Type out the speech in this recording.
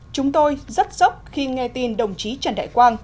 chúng tôi rất sốc khi nghe tin đồng chí trần đại quang